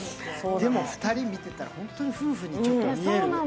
でも２人見てたら、本当に夫婦に見えるよ。